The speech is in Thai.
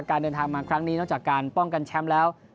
การเดินทางมาครั้งนี้นอกจากการป้องกันแชมป์แล้ว